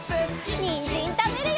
にんじんたべるよ！